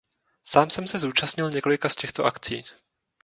Sám jsem se zúčastnil několika z těchto akcí.